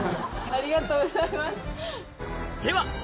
ありがとうございます。